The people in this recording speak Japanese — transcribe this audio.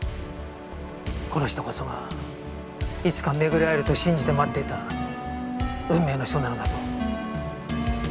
この人こそがいつか巡り合えると信じて待っていた運命の人なのだと。